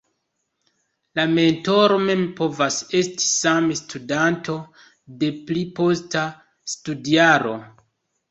La mentoro mem povas esti same studanto, de pli posta studjaro.